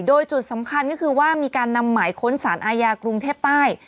โดยจุดสำคัญก็คือว่ามีการนำหมายค้นสารอาญากรุงเทพใต้